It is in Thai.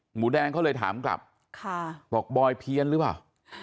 หมูแดงเขาเลยถามกลับบอกบอยเพี้ยนหรือเปล่า